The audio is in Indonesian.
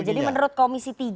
oke jadi menurut komisi tiga